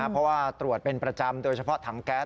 เพราะว่าตรวจเป็นประจำโดยเฉพาะถังแก๊ส